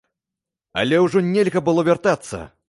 Але ўжо нельга было вяртацца!